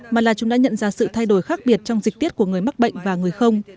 mà là chúng đã nhận ra sự thay đổi khác biệt trong dịch tiết của người mắc bệnh và người không